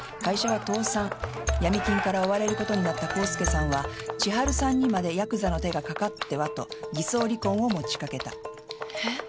ヤミ金から追われることになった浩介さんは千春さんにまでヤクザの手がかかってはと偽装離婚をもちかけた」えっ？